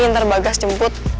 nanti bagas jemput